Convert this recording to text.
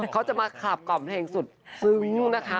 เขาจะมาขาบกล่อมเพลงสุดซึ้งนะคะ